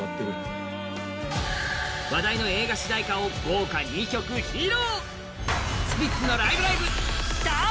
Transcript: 話題の映画主題歌を豪華２曲披露。